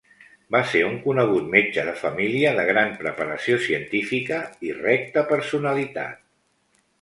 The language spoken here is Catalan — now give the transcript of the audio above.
Va ser un conegut metge de família, de gran preparació científica i recta personalitat.